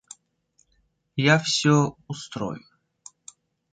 Я всё устрою.